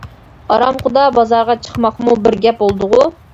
ئارامخۇدا بازارغا چىقماقمۇ بىر گەپ بولدىغۇ!